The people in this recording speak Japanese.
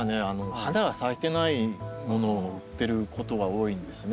花が咲いてないものを売ってることは多いんですね。